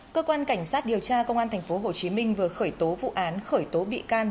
cơ quan cảnh sát điều tra công an tp hcm vừa khởi tố vụ án khởi tố bị can